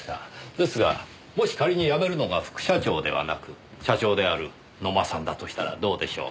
ですがもし仮に辞めるのが副社長ではなく社長である野間さんだとしたらどうでしょう？